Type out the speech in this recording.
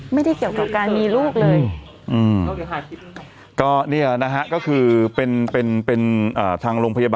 ไม่ได้เกี่ยวกับการมีลูกเลย